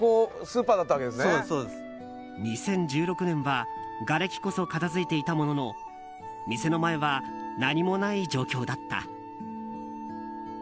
２０１６年はがれきこそ片付いていたものの店の前は何もない状況だった。